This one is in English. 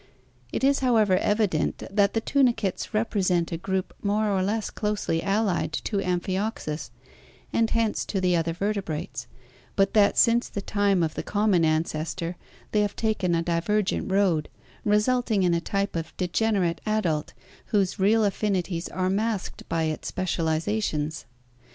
It is, however, evident that the tunicates represent a group more or less closely allied to Amphioxus, and hence to the other vertebrates, but that since the time of the common ancestor they have taken a divergent road, resulting in a type of degenerate ORGANIC EVOLUTION adult whose real affinities are masked by its spec* ialiaations.